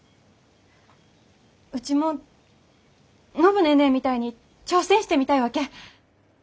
うちも暢ネーネーみたいに挑戦してみたいわけ。